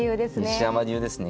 西山流ですね